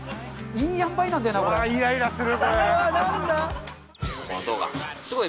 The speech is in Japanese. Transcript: いいあんばいなんだよなこれ。